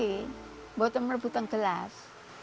di bawah bawah gelas